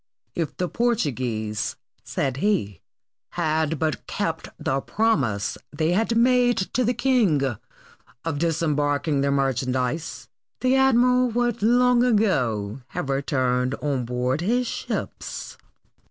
"If the Portu guese," said he, "had but kept the promise they had made to the king, of disembarking their merchandise, the admiral would long ago have returned on board his ships."